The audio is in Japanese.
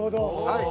はい。